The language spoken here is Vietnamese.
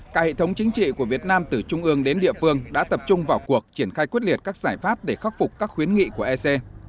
cả hệ thống chính trị của việt nam từ trung ương đến địa phương đã tập trung vào cuộc triển khai quyết liệt các giải pháp để khắc phục các khuyến nghị của ec